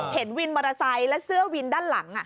เห็นวินมอเตอร์ไซค์และเสื้อวินด้านหลัง